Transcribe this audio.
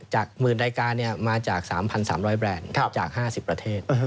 หมื่นรายการมาจาก๓๓๐๐แบรนด์จาก๕๐ประเทศ